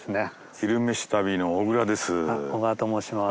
「昼めし旅」の小倉です。